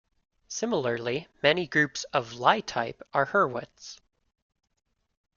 Similarly, many groups of Lie type are Hurwitz.